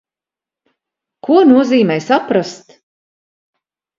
Ko nozīmē saprast?